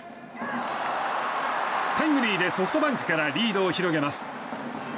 タイムリーでソフトバンクからリードを広げます。